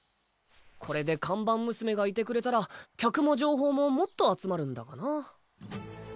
これで看板娘がいてくれたら客も情報ももっと集まるんだがな。